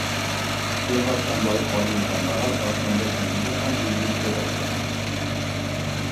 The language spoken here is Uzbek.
• Bexosdan boyib qolgan kambag‘al osmonda kunduzi ham yulduz ko‘rarkan.